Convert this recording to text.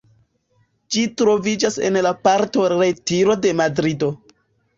Ĝi troviĝas en la Parko Retiro de Madrido.